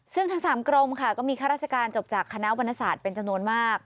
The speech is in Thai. ซึ่งทั้ง๓กรมค่ะก็มีข้าราชการจบจากคณะวรรณศาสตร์เป็นจำนวนมาก